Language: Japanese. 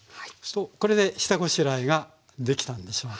これで下ごしらえができたんでしょうか？